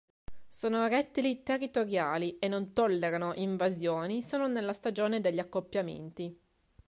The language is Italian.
Sono rettili territoriali e non tollerano invasioni se non nella stagione degli accoppiamenti.